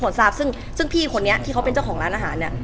ไม่นานค่ะก็คือเพิ่งรู้จักช่วงประมาณตุลาราศาสตร์